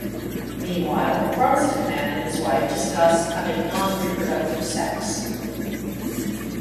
Meanwhile, a Protestant man and his wife discuss having non-reproductive sex.